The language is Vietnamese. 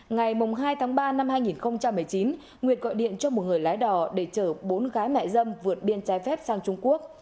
ngày hai tháng ba năm hai nghìn một mươi chín nguyệt gọi điện cho một người lái đò để chở bốn gái mại dâm vượt biên trái phép sang trung quốc